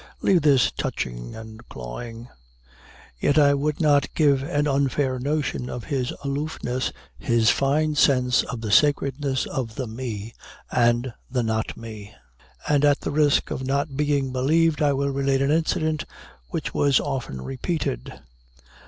"Leave this touching and clawing." Yet I would not give an unfair notion of his aloofness, his fine sense of the sacredness of the me and the not me. And, at the risk of not being believed, I will relate an incident, which was often repeated.